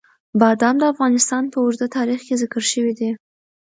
بادام د افغانستان په اوږده تاریخ کې ذکر شوي دي.